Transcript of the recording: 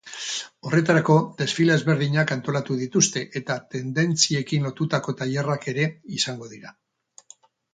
Horretarako, desfile ezberdinak antolatu dituzte eta tendentziekin lotutako tailerrak ere izango dira.